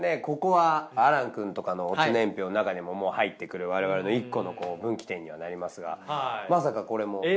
ここは亜嵐くんとかの乙年表の中にも入ってくる我々の一個の分岐点にはなりますがまさかこれも。